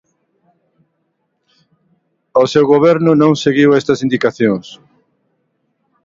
O seu Goberno non seguiu estas indicacións.